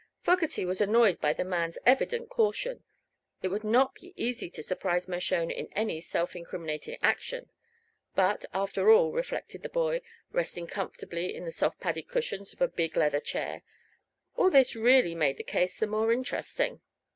Fogerty was annoyed by the man's evident caution. It would not be easy to surprise Mershone in any self incriminating action. But, after all, reflected the boy, resting comfortably in the soft padded cushions of a big leather chair, all this really made the case the more interesting.